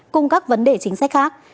cùng các vấn đề chính sách khác